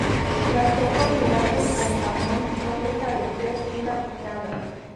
La sopa de ajos con jamón no deja de ser una pijada